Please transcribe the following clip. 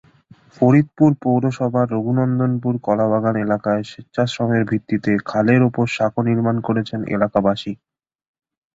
ফরিদপুর পৌরসভার রঘুনন্দনপুর-কলাবাগান এলাকায় স্বেচ্ছাশ্রমের ভিত্তিতে খালের ওপর সাঁকো নির্মাণ করছেন এলাকাবাসী।